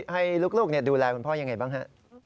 ให้ลูกดูแลคุณพ่อยังไงบ้างฮะ